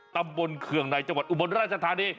เคืองในจังหวัดอุบลราชธานี